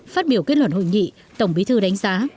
phát biểu kết luận hội nghị tổng bí thư đánh giá